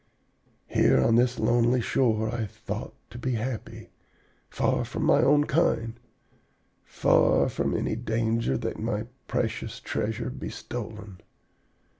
Here on this lonely shore I thought to be happy, far from my own kind, far from any danger that my precious treasure be stolen.